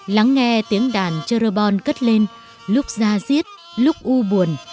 lắng nghe tiếng đàn cherubon cất lên lúc ra giết lúc u buồn